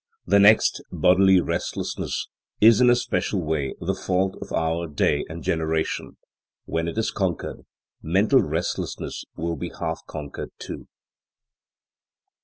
The next, bodily restlessness, is in a special way the fault of our day and generation. When it is conquered, mental restlessness will be half conquered, too.